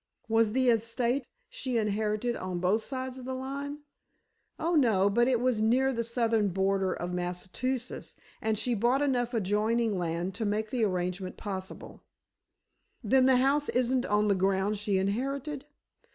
"Was the estate she inherited on both sides of the line?" "Oh, no; but it was near the southern border of Massachusetts, and she bought enough adjoining land to make the arrangement possible." "Then the house isn't on the ground she inherited?"